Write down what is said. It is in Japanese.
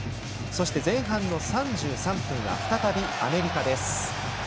そして前半の３３分は再びアメリカです。